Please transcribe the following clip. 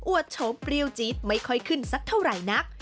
โฉมเปรี้ยวจี๊ดไม่ค่อยขึ้นสักเท่าไหร่นัก